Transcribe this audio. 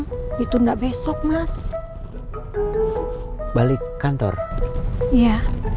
m citing di sini sime miss ya